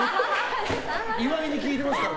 岩井に聞いてますから。